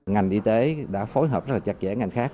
ngành y tế đã phối hợp rất là chặt chẽ ngành khác